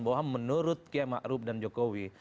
bahwa menurut kema arub dan jokowi